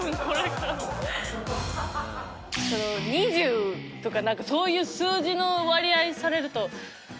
２０とか何かそういう数字の割合にされると。